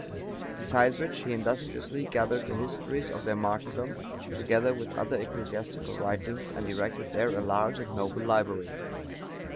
Besides which, he industriously gathered the histories of their martyrdom, together with other ecclesiastical writings, and erected there a large and noble library.